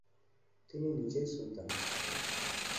তিনি নিজেই সুলতান হন।